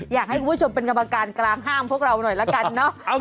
อยากให้คุณผู้ชมเป็นกรรมการกลางห้ามพวกเราหน่อยละกันเนอะ